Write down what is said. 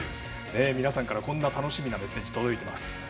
皆さんからこんな楽しみなメッセージが届いています。